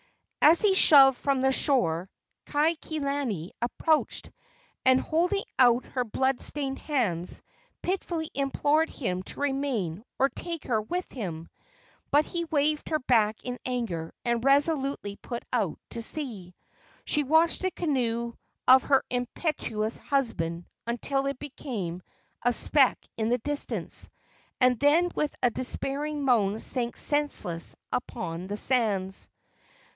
As he shoved from the shore Kaikilani approached, and, holding out her blood stained hands, pitifully implored him to remain or take her with him; but he waved her back in anger and resolutely put out to sea. She watched the canoe of her impetuous husband until it became a speck in the distance, and then with a despairing moan sank senseless upon the sands.